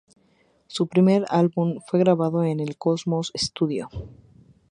Su primer álbum fue grabado en el Cosmos Studio.